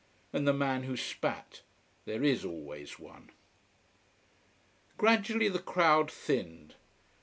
And the man who spat: there is always one. Gradually the crowd thinned.